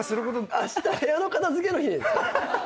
あした部屋の片付けの日ですか？